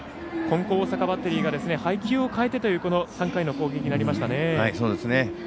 金光大阪バッテリーが配球を変えてという３回の攻撃になりましたね。